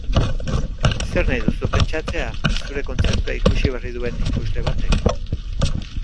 Zer nahi duzu pentsatzea zure kontzertua ikusi berri duen ikusle batek?